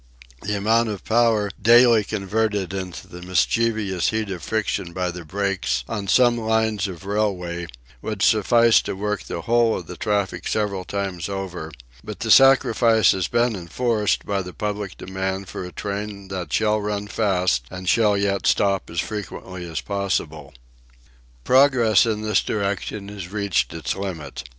The amount of power daily converted into the mischievous heat of friction by the brakes on some lines of railway would suffice to work the whole of the traffic several times over; but the sacrifice has been enforced by the public demand for a train that shall run fast and shall yet stop as frequently as possible. Progress in this direction has reached its limit.